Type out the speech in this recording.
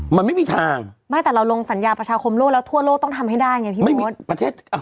มันไม่มีทางไม่แต่เราลงสัญญาประชาคมโลกแล้วทั่วโลกต้องทำให้ได้ไงพี่มด